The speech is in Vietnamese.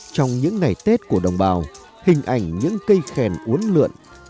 trong những ngày tết của đồng bào hình ảnh những cây khen uốn lượn